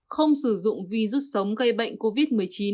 không sử dụng virus sống gây bệnh covid một mươi chín